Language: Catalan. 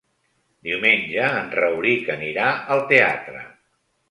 Diumenge en Rauric anirà al teatre.